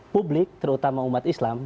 publik terutama umat islam